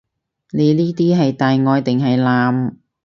你呢啲係大愛定係濫？